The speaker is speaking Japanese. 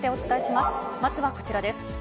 まずはこちらです。